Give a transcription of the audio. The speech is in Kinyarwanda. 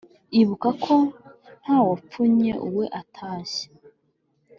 ibuka ko nta wapfunye uwe atashye